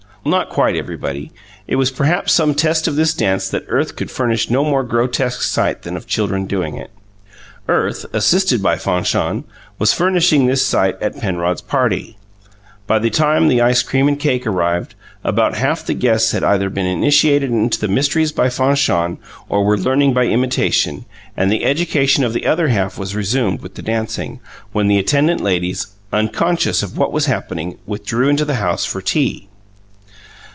Not quite everybody. It was perhaps some test of this dance that earth could furnish no more grotesque sight than that of children doing it. Earth, assisted by Fanchon, was furnishing this sight at Penrod's party. By the time ice cream and cake arrived, about half the guests had either been initiated into the mysteries by Fanchon or were learning by imitation, and the education of the other half was resumed with the dancing, when the attendant ladies, unconscious of what was happening, withdrew into the house for tea.